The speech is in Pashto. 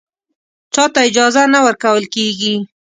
چا ته اجازه نه ورکول کېږي